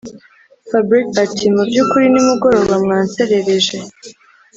fabric ati”mubyukuri nimugoroba mwanserereje